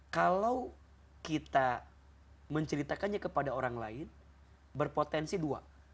kalau kita menceritakannya kepada orang lain berpotensi dua